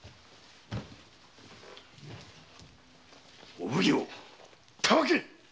お奉行っ‼たわけ！